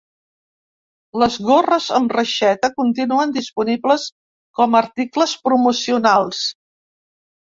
Les gorres amb reixeta continuen disponibles com a articles promocionals.